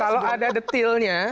kalau ada detailnya